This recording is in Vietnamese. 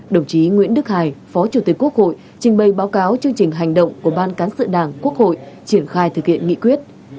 đồng chí nguyễn đức hải phó chủ tịch quốc hội trình bày báo cáo chương trình hành động của ban cán sự đảng quốc hội triển khai thực hiện nghị quyết